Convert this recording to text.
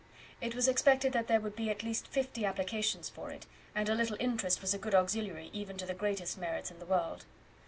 It was expected that there would be at least fifty applications for it, and a little interest was a good auxiliary even to the greatest merits in the world.